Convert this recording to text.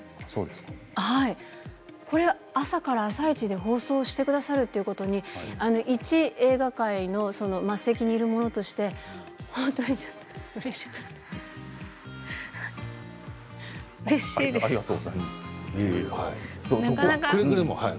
これは朝から「あさイチ」で放送してくださるということにいち映画界の末席にいる者として本当にうれしくなってきました。